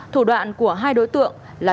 thủ đoạn của hai đối tượng là